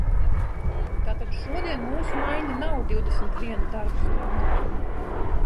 Tātad šodien mūsu maiņa nav divdesmit viena darba stunda.